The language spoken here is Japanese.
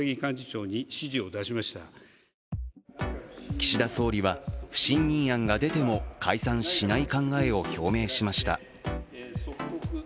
岸田総理は不信任案が出ても解散しない考を表明しました。